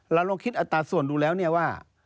เราลองคิดอัตราส่วนดูแล้วเนี่ยว่า